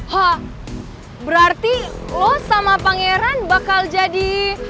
hah berarti lo sama pangeran bakal jadi